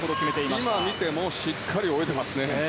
今見てもしっかり泳いでいますね。